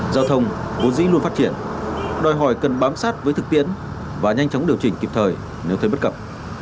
giao thông vốn dĩ luôn phát triển đòi hỏi cần bám sát với thực tiễn và nhanh chóng điều chỉnh kịp thời nếu thấy bất cập